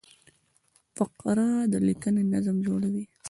فقره د لیکني نظم جوړوي.